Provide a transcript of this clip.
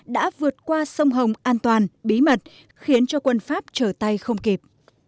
đã vượt qua sông hồng an toàn bí mật khiến cho quân pháp trở tay không kịp